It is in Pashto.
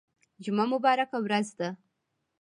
جمعه مبارکه ورځ ده